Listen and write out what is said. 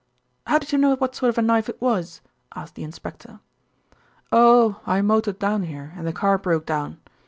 "How did you know what sort of knife it was?" asked the inspector. "Oh! I motored down here, and the car broke down.